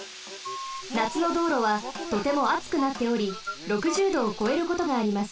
なつのどうろはとてもあつくなっており６０℃をこえることがあります。